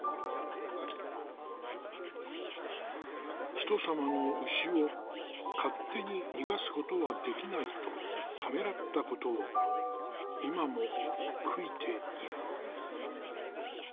ひとさまの牛を勝手に逃がすことはできないとためらったことを今も悔いている。